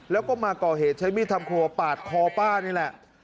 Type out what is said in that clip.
แล้วก็มาก่อเหตุใช้มีดทำครัวปาดคอป้านี่แหละ